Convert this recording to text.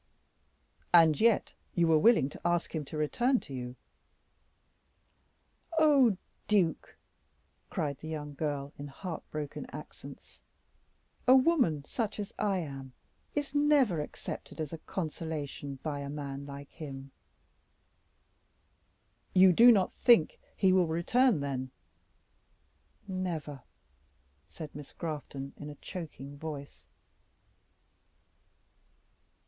"And yet you were willing to ask him to return to you." "Oh! duke," cried the young girl in heart broken accents, "a woman such as I am is never accepted as a consolation by a man like him." "You do not think he will return, then?" "Never," said Miss Grafton, in a choking voice.